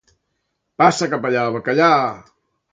Passa cap allà, bacallà!